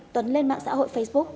tuấn lên mạng xã hội facebook